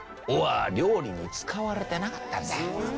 「尾は料理に使われてなかったんだ」。